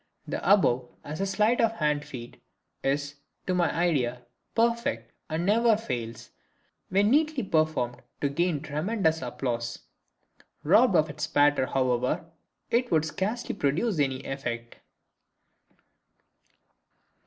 The above, as a sleight of hand feat, is, to my idea, perfect, and never fails, when neatly performed, to gain tremendous applause. Robbed of its patter, however, it would scarcely produce any effect.